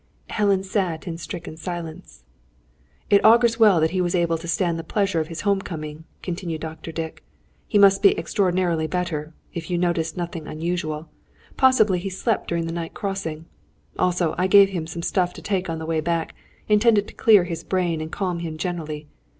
Helen sat in stricken silence. "It augurs well that he was able to stand the pleasure of his home coming," continued Dr. Dick. "He must be extraordinarily better, if you noticed nothing unusual. Possibly he slept during the night crossing. Also, I gave him some stuff to take on the way back, intended to clear his brain and calm him generally.